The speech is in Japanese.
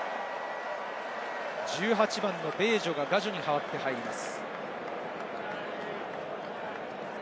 １８番のベージョがガジョに代わって入ります。